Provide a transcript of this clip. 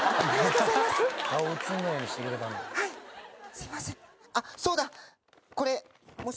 すいません。